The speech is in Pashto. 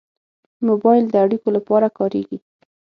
موبایل د اړیکو لپاره کارېږي.